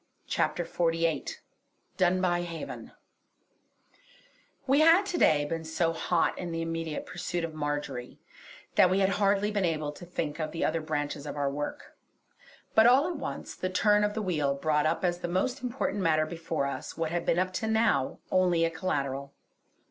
CHAPTER XLVIII DUNBUY HAVEN We had to day been so hot in the immediate pursuit of Marjory that we had hardly been able to think of the other branches of our work; but all at once, the turn of the wheel brought up as the most important matter before us what had been up to now only a collateral.